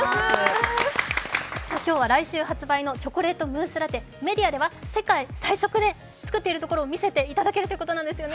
今日は来週発売のチョコレートムースラテメディアでは、世界最速で作っているところを見せていただけるということなんですよね。